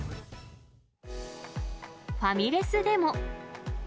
ファミレスでも。